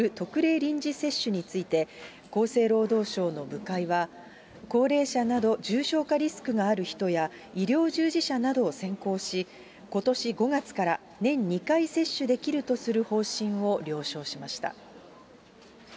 臨時接種について、厚生労働省の部会は、高齢者など重症化リスクがある人や、医療従事者などを先行し、ことし５月から年２回接種できるとする方針を了承しました。